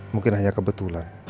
mungkin hanya kebetulan